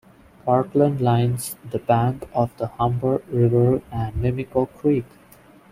Parkland lines the banks of the Humber River and Mimico Creek.